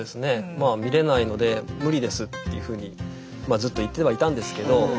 まあ見れないので無理ですっていうふうにまあずっと言ってはいたんですけどまあ